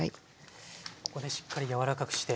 ここでしっかり柔らかくして。